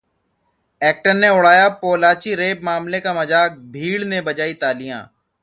actor ने उड़ाया Pollachi rape मामले का मजाक, भीड़ ने बजाई तालियां